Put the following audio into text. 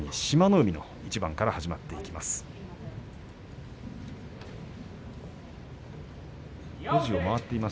海の一番から始まっていきます。